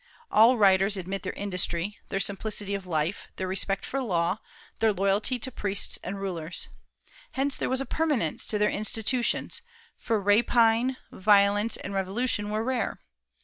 All writers admit their industry, their simplicity of life, their respect for law, their loyalty to priests and rulers. Hence there was permanence to their institutions, for rapine, violence, and revolution were rare.